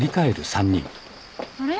あれ？